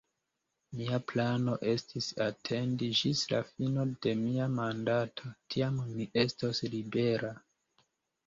Mia plano estis atendi ĝis la fino de mia mandato, tiam mi estos libera.